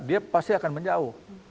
dia pasti akan menjauh